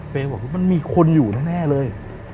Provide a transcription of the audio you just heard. บอกว่ามันมีคนอยู่แน่เลย